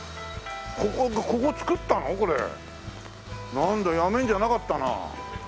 なんだやめるんじゃなかったな。